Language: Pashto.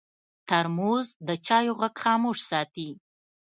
ترموز د چایو غږ خاموش ساتي.